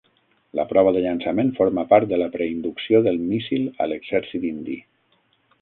La prova de llançament forma part de la preinducció del míssil a l'exèrcit indi.